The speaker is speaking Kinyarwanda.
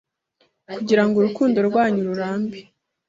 kugira ngo urukundo rwanyu rurambe,